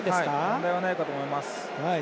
問題ないかと思います。